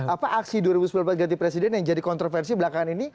apa aksi dua ribu sembilan belas ganti presiden yang jadi kontroversi belakang ini